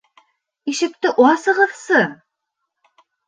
Ишекте асығыҙсы!